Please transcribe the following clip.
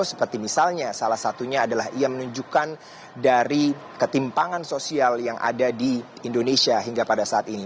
seperti misalnya salah satunya adalah ia menunjukkan dari ketimpangan sosial yang ada di indonesia hingga pada saat ini